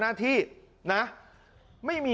ขอบคุณครับ